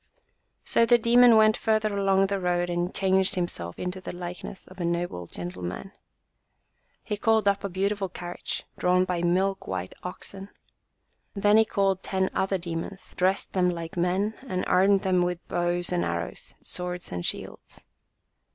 45 JATAKA TALES So the demon went further along the road and changed himself into the likeness of a noble gentle man. He called up a beautiful carriage, drawn by milk white oxen. Then he called ten other demons, dressed them like men and armed them with bows and arrows, swords and shields.